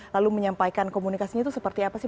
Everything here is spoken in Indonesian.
lalu menyampaikan komunikasinya itu seperti apa sih